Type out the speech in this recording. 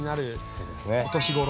そうですね。